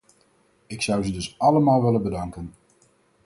Ik zou ze dus allemaal willen bedanken.